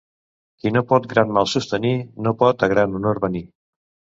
Qui no pot gran mal sostenir, no pot a gran honor venir.